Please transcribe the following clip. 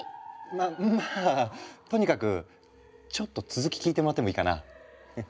ままあとにかくちょっと続き聞いてもらってもいいかな？